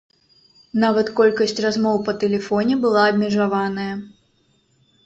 Нават колькасць размоў па тэлефоне была абмежаваная.